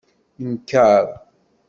Nker.